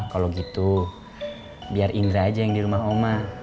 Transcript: kalo gitu biar indra aja yang dirumah omah